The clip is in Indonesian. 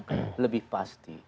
duit cuan yang lebih pasti